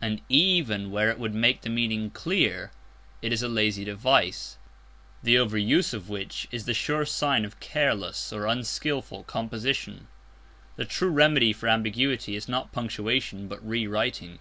And, even where it would make the meaning clear, it is a lazy device, the over use of which is the sure sign of careless or unskilful composition. The true remedy for ambiguity is not punctuation, but re writing.